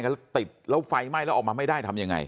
แล้วติดแล้วไฟไหม้แล้วออกมาไม่ได้ทำยังไง